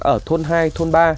ở thôn hai thôn ba